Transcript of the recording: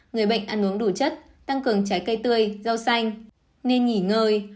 người bệnh ăn uống đủ chất tăng cường trái cây tươi rau xanh nên nghỉ ngơi